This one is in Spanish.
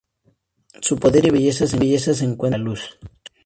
Su poder y belleza se encuentra en la luz.